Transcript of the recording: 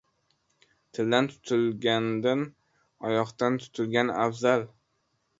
• Tildan tutilgandan oyoqdan tutilgan afzal.